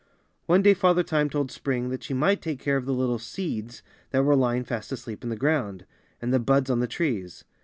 One day Father Time told Spring that she might take care of the little seeds that were lying fast asleep in the ground, and the buds on the trees.